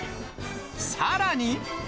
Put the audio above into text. さらに。